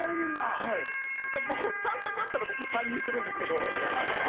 はいだからもう３択あったら僕３にするんですけど。